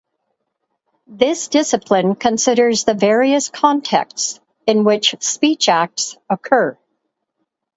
This discipline considers the various contexts in which speech acts occur.